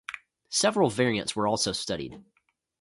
Several variants were also studied.